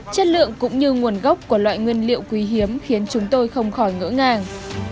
cũng như nguồn gốc của loại nguyên liệu quý hiếm khiến chúng tôi không khỏi ngỡ ngàng